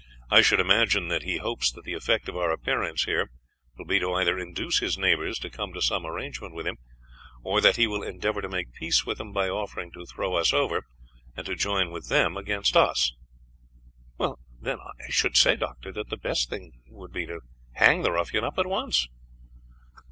I should imagine that he hopes that the effect of our appearance here will be to either induce his neighbors to come to some arrangement with him, or that he will endeavor to make peace with them by offering to throw us over, and to join with them against us." "Then, I should say, Doctor, that the best thing would be to hang the ruffian up at once."